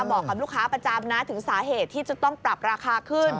บอกกับลูกค้าประจำนะถึงสาเหตุที่จะต้องปรับราคาขึ้น